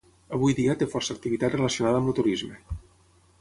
Avui dia té força activitat relacionada amb el turisme.